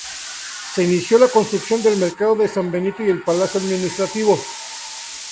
Se inició la construcción del Mercado de San Benito y el Palacio Administrativo.